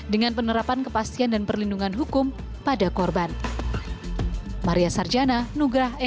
dengan penerapan kepastian dan perlindungan hukum pada korban